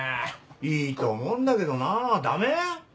いいと思うんだけどなダメ？